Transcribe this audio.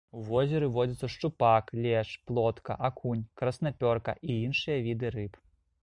У возеры водзяцца шчупак, лешч, плотка, акунь, краснапёрка і іншыя віды рыб.